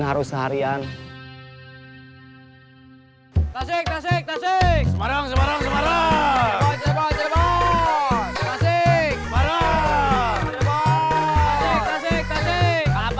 harus seharian kasih kasih kasih semarang semarang semarang sempat sempat sempat kasih